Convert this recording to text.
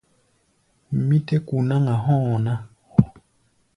Mí tɛ́ ku̧ náŋ-a hɔ̧́ɔ̧ ná.